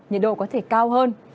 nhiệt độ có thể cao hơn